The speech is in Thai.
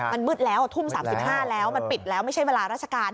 มันมืดแล้วทุ่ม๓๕แล้วมันปิดแล้วไม่ใช่เวลาราชการ